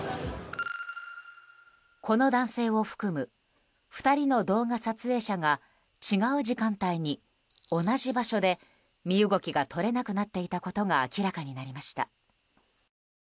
この男性を含む２人の動画撮影者が違う時間帯に同じ場所で身動きが取れなくなっていたことが明らかになりました。